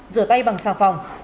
rửa tay bằng sàng phòng